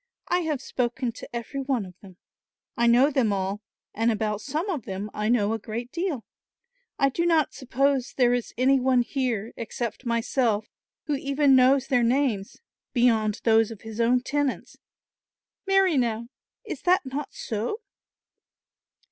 I have spoken to every one of them. I know them all; and about some of them I know a great deal. I do not suppose there is any one here, except myself, who even knows their names, beyond those of his own tenants. Marry, now, is that not so?"